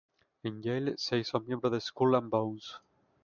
En Yale, se hizo miembro de Skull and Bones.